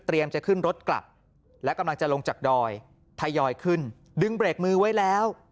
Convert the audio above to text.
จะขึ้นรถกลับและกำลังจะลงจากดอยทยอยขึ้นดึงเบรกมือไว้แล้ว